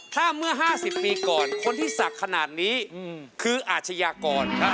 ถ้าเมื่อ๕๐ปีก่อนคนที่ศักดิ์ขนาดนี้คืออาชญากร